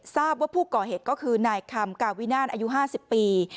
ทราบว่าผู้ก่อเหตุก็คือนายคำกาวินานอายุ๕๐ปี